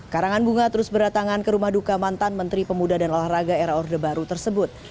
karangan bunga terus berdatangan ke rumah duka mantan menteri pemuda dan olahraga era orde baru tersebut